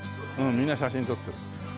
みんな写真撮ってる。